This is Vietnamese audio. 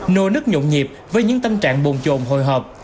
nô nức nhộn nhịp với những tâm trạng bồn trồn hồi hộp